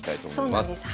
そうなんです。